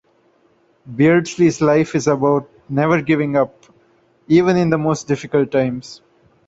Beardsley's life is about never giving up even in the most difficult times.